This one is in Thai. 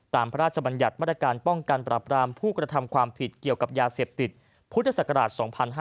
พระราชบัญญัติมาตรการป้องกันปรับรามผู้กระทำความผิดเกี่ยวกับยาเสพติดพุทธศักราช๒๕๕๙